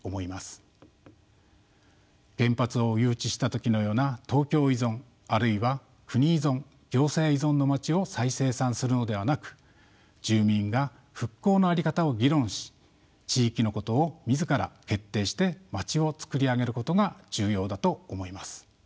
原発を誘致した時のような東京依存あるいは国依存行政依存のまちを再生産するのではなく住民が復興の在り方を議論し地域のことを自ら決定してまちをつくり上げることが重要だと思います。